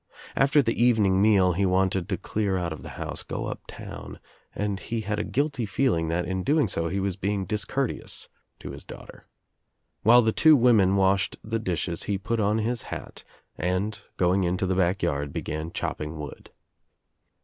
After the evening meal he want ' to clear out of the house, go up town, and he ha> ' guilty feeling that in doing so he was being dis courteous to his daughter. While the two women washed the dishes he put on his hat and going into the back yard began chopping wood.